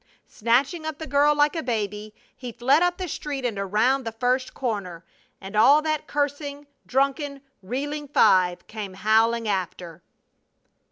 Snatching up the girl like a baby, he fled up the street and around the first corner, and all that cursing, drunken, reeling five came howling after!